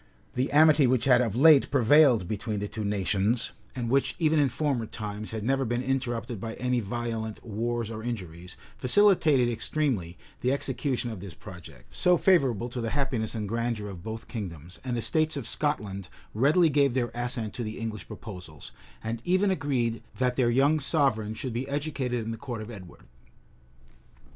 {1290.} The amity which had of late prevailed between the two nations, and which, even in former times, had never been interrupted by any violent wars or injuries, facilitated extremely the execution of this project, so favorable to the happiness and grandeur of both kingdoms; and the states of Scotland readily gave their assent to the English proposals, and even agreed that their young sovereign should be educated in the court of Edward.